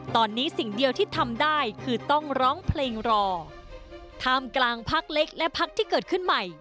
ตอนนี้สิ่งเดียวที่ทำได้คือต้องร้องเพลงรอท่ามกลางพักเล็กและพักที่เกิดขึ้นใหม่